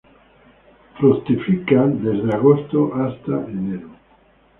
Fructifica a partir de agosto a enero.